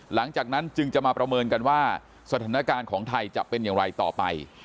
หลังจากนั้นจึงจะมาประเมินกันว่าสถานการณ์ของไทยจะเป็นอย่างไรต่อไป